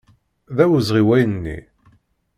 D awezɣi wayen-nni.